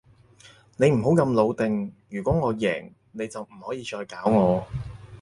你唔好咁老定，如果我贏，你就唔可以再搞我